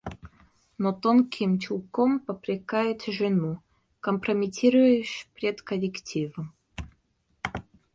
Но тонким чулком попрекает жену: – Компрометируешь пред коллективом.